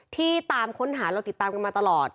ที่ตามค้นหาเราติดตามกันมาตลอด